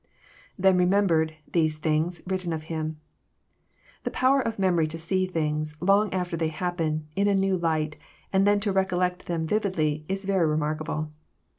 IThen remembered.,. these things,,, toritten of him,"] The power of memory to see things, long after they happen, in a new Mght, and then to recollect them vividly, is very remarkable.